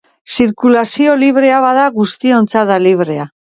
Zirkulazioa librea bada, guztiontzat da librea.